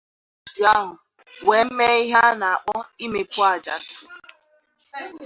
Ọ bụrụ na o ruchaghị uju ahụ wee mee ihe a na-akpọ Imepu Ajadụ